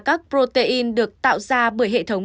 các protein được tạo ra bởi hệ thống